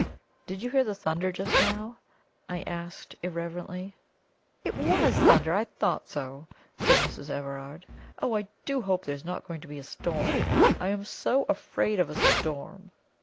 "Did you hear the thunder just now?" I asked irrelevantly. "It WAS thunder? I thought so!" said Mrs. Everard. "Oh, I do hope there is not going to be a storm! I am so afraid of a storm!"